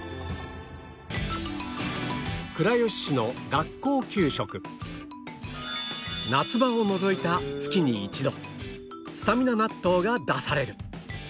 それにしても夏場を除いた月に一度スタミナ納豆が出される